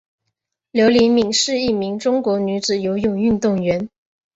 刘黎敏是一名中国女子游泳运动员。